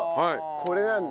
これなんだ。